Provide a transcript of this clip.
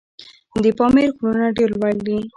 د پامیر غرونه ډېر لوړ دي.